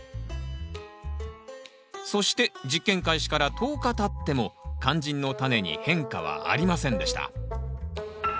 そして実験開始から１０日たっても肝心のタネに変化はありませんでした。